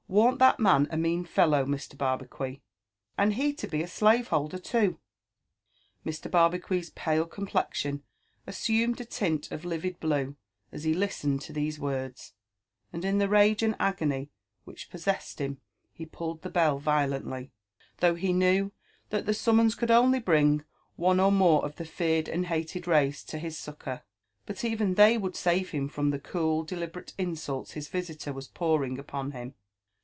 Wam't that man a mean fellow, Mr. Barbacuit !— and he to be aslave bolder too 1" Mr. Barbacuit's pale complexion assumed a tint of livid blue as 1m listened to these words ; and in the rage and agony which possessed him, he pulled the bell violently, though he knew that the summons Could only bring one or more of the feared and hated race to his suc cour ; but even they would save him from the cool, deliberate insults his visiter was pouring upon him.